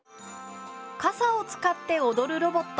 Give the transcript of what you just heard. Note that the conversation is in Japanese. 傘を使って踊るロボット。